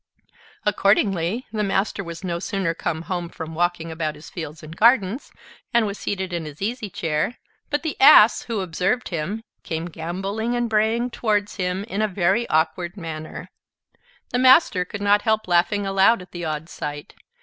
Accordingly, the Master was no sooner come home from walking about his fields and gardens, and was seated in his easy chair, but the Ass, who observed him, came gamboling and braying towards him, in a very awkward manner. The Master could not help laughing aloud at the odd sight.